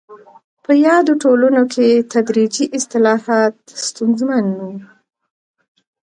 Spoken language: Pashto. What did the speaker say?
په یادو ټولنو کې تدریجي اصلاحات ستونزمن وو.